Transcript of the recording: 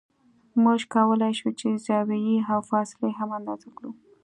موږ کولای شو چې زاویې او فاصلې هم اندازه کړو